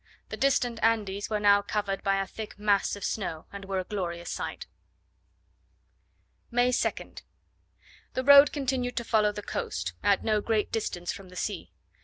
The distant Andes were now covered by a thick mass of snow, and were a glorious sight. May 2nd. The road continued to follow the coast, at no great distance from the sea.